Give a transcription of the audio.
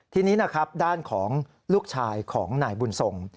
ทีนี้ด้านของลูกชายของหน่ายบุญทรง